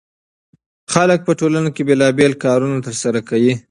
خلک په ټولنه کې بېلابېل کارونه ترسره کوي.